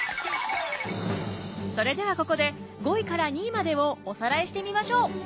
それではここで５位から２位までをおさらいしてみましょう！